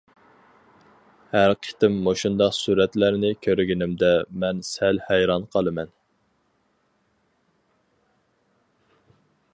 ھەر قېتىم مۇشۇنداق سۈرەتلەرنى كۆرگىنىمدە، مەن سەل ھەيران قالىمەن.